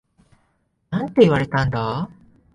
なんて言われたんだ？